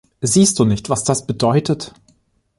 Siehst du nicht, was das bedeutet?